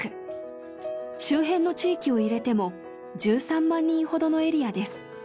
周辺の地域を入れても１３万人ほどのエリアです。